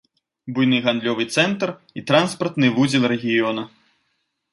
Буйны гандлёвы цэнтр і транспартны вузел рэгіёна.